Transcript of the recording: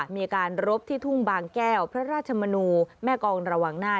มีการรบที่ทุ่งบางแก้วพระราชมนูแม่กองระวังหน้า